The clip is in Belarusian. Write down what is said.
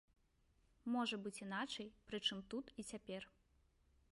Можа быць іначай, прычым тут і цяпер.